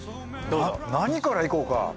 何からいこうか？